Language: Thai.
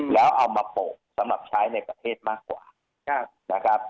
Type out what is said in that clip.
แล้วเอามาโปร่งสำหรับใช้ในประเภทมากกว่าครับนะครับ